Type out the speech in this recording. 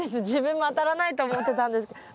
自分も当たらないと思ってたんです。